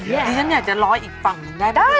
จริงฉันอยากจะลอยอีกฝั่งหนูได้บ้างคุณแอ